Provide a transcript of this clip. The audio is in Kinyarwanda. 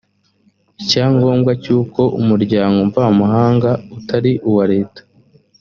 icyangombwa cyuko umuryango mvamahanga utari uwa leta